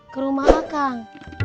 ke rumah lah kang